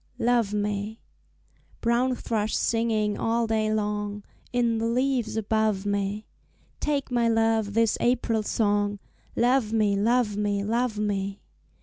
Love Me Brown thrush singing all day long In the leaves above me, Take my love this April song, "Love me, love me, love me!"